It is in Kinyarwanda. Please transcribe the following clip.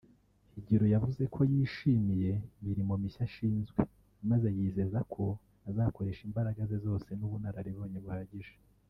Higiro yavuze ko yishimiye imirimo mishya ashinzwe maze yizeza ko azakoresha imbaraga ze zose n’ubunararibonye buhagije